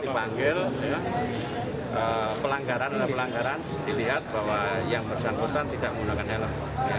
dipanggil pelanggaran ada pelanggaran dilihat bahwa yang bersangkutan tidak menggunakan helm